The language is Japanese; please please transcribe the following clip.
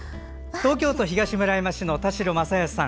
東京都東村山市の田代雅靖さん。